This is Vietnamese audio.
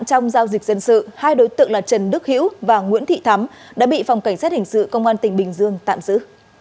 trong giao dịch dân sự hai đối tượng là trần đức hiễu và nguyễn thị thắm đã bị phòng cảnh sát hình sự công an tỉnh bình dương tạm giữ